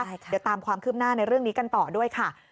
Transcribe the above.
เดี๋ยวตามความคืบหน้าในเรื่องนี้กันต่อด้วยค่ะ